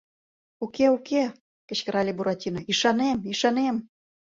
— Уке, уке, — кычкырале Буратино, — ӱшанем, ӱшанем!..